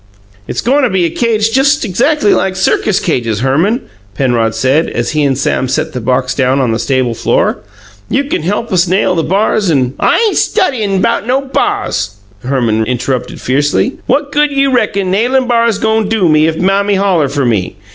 "It's goin' to be a cage just exactly like circus cages, Herman," Penrod said, as he and Sam set the box down on the stable floor. "You can help us nail the bars and " "I ain' studyin' 'bout no bars!" Herman interrupted fiercely. "What good you reckon nailin' bars go' do me if Mammy holler fer me?